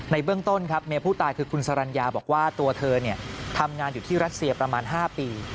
เบื้องต้นครับเมียผู้ตายคือคุณสรรญาบอกว่าตัวเธอทำงานอยู่ที่รัสเซียประมาณ๕ปี